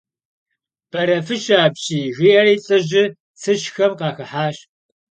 Бэрэфыщэ апщий! – жиӀэри лӀыжьыр цыщхэм къахыхьащ.